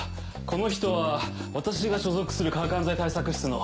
この人は私が所属する科学犯罪対策室の。